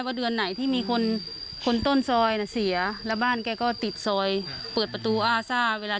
วก็จิ๊มด้วยว่าเป็นอะไรแล้วครับ